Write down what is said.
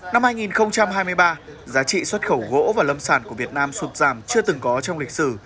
năm hai nghìn hai mươi ba giá trị xuất khẩu gỗ và lâm sản của việt nam sụt giảm chưa từng có trong lịch sử